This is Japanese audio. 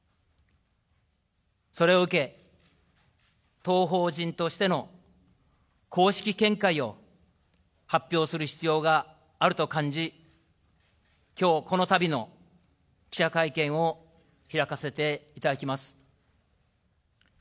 それを受け、当法人としての公式見解を発表する必要があると感じ、きょう、このたびの記者会見を開かせていただきます。